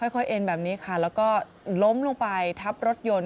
เอ็นแบบนี้ค่ะแล้วก็ล้มลงไปทับรถยนต์